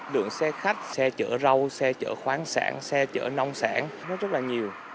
lượng xe khách xe chở rau xe chở khoáng sản xe chở nông sản nó rất là nhiều